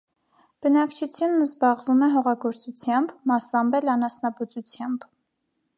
Բնակչությունն զբաղվում է հողագործությամբ, մասամբ էլ անասնաբուծությամբ։